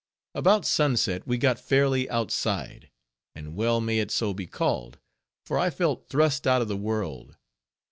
About sunset we got fairly "outside," and well may it so be called; for I felt thrust out of the world.